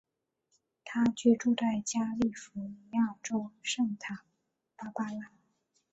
他居住在加利福尼亚州圣塔芭芭拉。